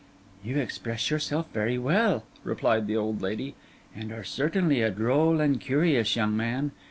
'You express yourself very well,' replied the old lady, 'and are certainly a droll and curious young man.